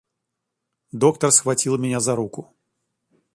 — Доктор схватил меня за руку.